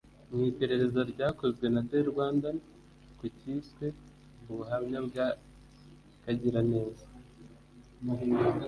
Mu iperereza ryakozwe na The Rwandan ku kiswe ubuhamya bwa Kagiraneza